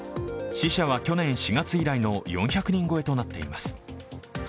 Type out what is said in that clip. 死者は去年４月以来の４００人超えとなっています。